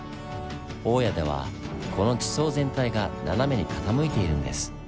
大谷ではこの地層全体が斜めに傾いているんです。